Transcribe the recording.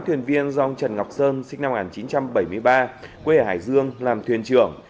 tám thuyền viên do ông trần ngọc sơn sinh năm một nghìn chín trăm bảy mươi ba quê ở hải dương làm thuyền trưởng